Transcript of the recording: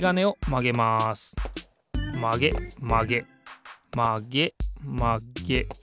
まげまげまげまげまげ。